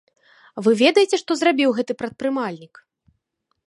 Вы ведаеце што зрабіў гэты прадпрымальнік?